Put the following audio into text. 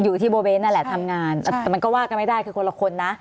อยู่ที่โบเวนต์นั่นแหละทำงานแต่มันก็ว่ากันไม่ได้คือคนละคนนะ